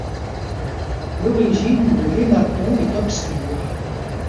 L'origine de l'Énaton est obscure.